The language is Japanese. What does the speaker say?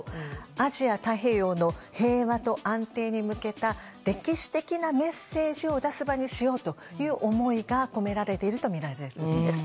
アジア太平洋の平和と安定に向けた歴史的なメッセージを出す場にしようと思いが込められているとみられるんです。